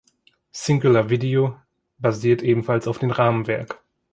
Cingular Video basiert ebenfalls auf dem Rahmenwerk.